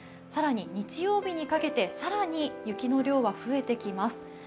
更に日曜日にかけて、更に雪の量は増えていきます。